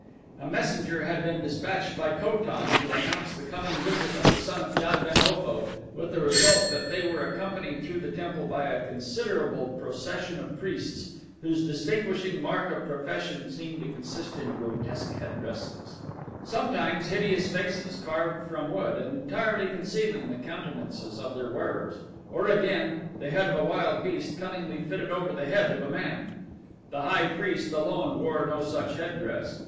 A messenger had been dispatched by Ko tan to announce the coming visit of the son of Jad ben Otho with the result that they were accompanied through the temple by a considerable procession of priests whose distinguishing mark of profession seemed to consist in grotesque headdresses; sometimes hideous faces carved from wood and entirely concealing the countenances of their wearers, or again, the head of a wild beast cunningly fitted over the head of a man. The high priest alone wore no such head dress.